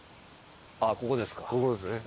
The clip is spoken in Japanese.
あっここですか。